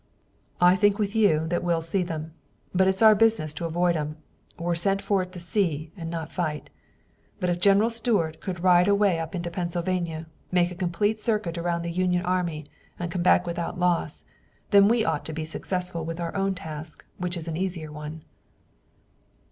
"I think with you that we'll see 'em, but it's our business to avoid 'em. We're sent forth to see and not to fight. But if General Stuart could ride away up into Pennsylvania, make a complete circuit around the Union army and come back without loss, then we ought to be successful with our own task, which is an easier one."